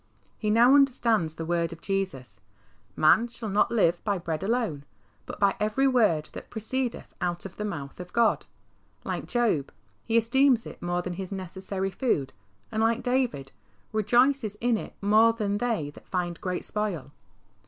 He now understands the word of Jesus, " Man shall not live by bread alone, but by every word that proceedeth out of the mouth of God." Like Job, he " esteems it more than his necessary food," and like David, " rejoices in it more than they that find great spoil."